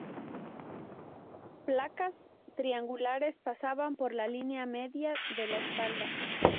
Placas triangulares pasaban por la línea media de la espalda.